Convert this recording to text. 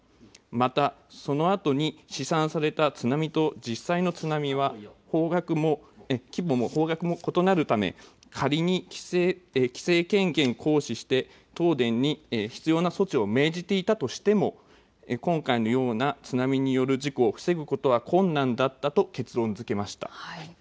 また、そのあとに試算された津波と実際の津波は規模も方角も異なるため仮に規制権限を行使して東電に必要な措置を命じていたとしても今回のような津波による事故を防ぐことは困難だったと結論づけました。